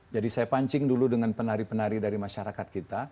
jadi saya pancing dulu dengan penari penari dari masyarakat kita